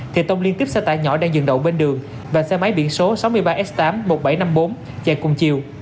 thì tông liên tiếp xe tải nhỏ đang dừng đậu bên đường và xe máy biển số sáu mươi ba s tám một nghìn bảy trăm năm mươi bốn chạy cùng chiều